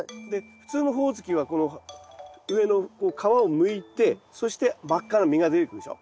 普通のホオズキはこの上の皮をむいてそして真っ赤な実が出てくるでしょ。